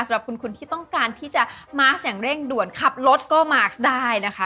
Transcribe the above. สำหรับคุณที่ต้องการที่จะมาร์คอย่างเร่งด่วนขับรถก็มาร์คได้นะคะ